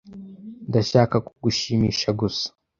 Ndashaka kugushimisha gusa.